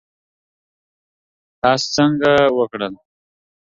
تاسو څنګه وکړل؟